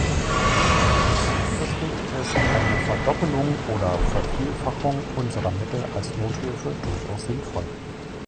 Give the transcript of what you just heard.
Kurzfristig ist eine Verdoppelung oder Vervielfachung unserer Mittel als Nothilfe durchaus sinnvoll.